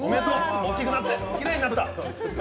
大きくなって、きれいになった！